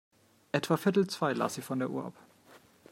Etwa viertel zwei las sie von der Uhr ab.